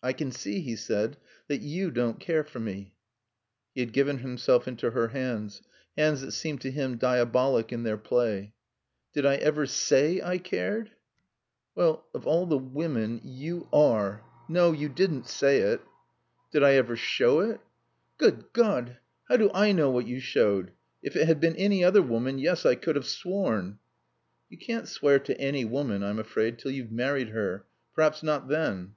"I can see," he said, "that you don't care for me." He had given himself into her hands hands that seemed to him diabolic in their play. "Did I ever say I cared?" "Well of all the women you are ! No, you didn't say it." "Did I ever show it?" "Good God, how do I know what you showed? If it had been any other woman yes, I could have sworn." "You can't swear to any woman I'm afraid till you've married her. Perhaps not then."